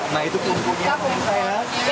nah itu kumpulnya